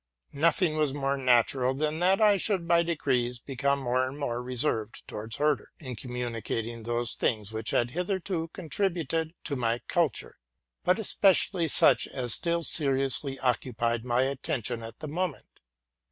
Nothing was more natural than that I should by degrees become more and more reserved towards Herder, in communicating those things which had hitherto contributed to my culture, but especially such as still seriously occupied my attention nut the moment.